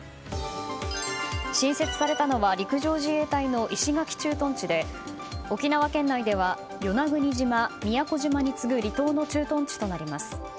新設されたのは陸上自衛隊の石垣駐屯地で沖縄県内では与那国島、宮古島に次ぐ離島の駐屯地となります。